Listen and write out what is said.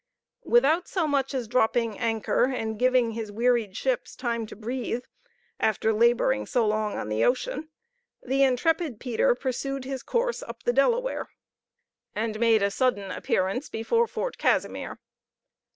Without so much as dropping anchor, and giving his wearied ships time to breathe, after laboring so long on the ocean, the intrepid Peter pursued his course up the Delaware, and made a sudden appearance before Fort Casimir.